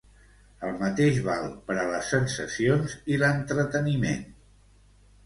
El mateix val per a les sensacions i l'entreteniment.